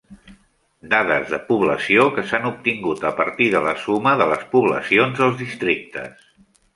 Dades de població que s'han obtingut a partir de la suma de les poblacions dels districtes.